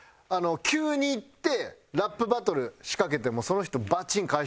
急に行ってラップバトル仕掛けてもその人バチン！